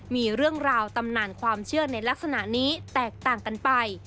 มีเรื่องราวตำนานความเชื่อในลักษณะนี้แตกต่างกันไป